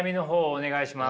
お願いします。